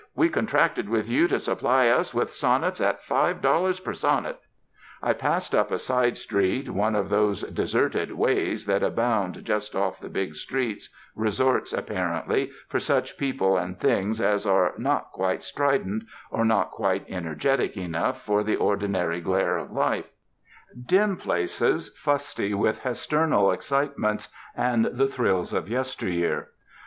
We contracted with you to supply us with sonnets at five dollars per sonnet " I passed up a side street, one of those deserted ways that abound just off the big streets, resorts, apparently, for such people and things as are not quite strident or not quite energetic enough for the ordinary glare of life; dim places, fusty with hesternal excitements and the thrills of yesteryear.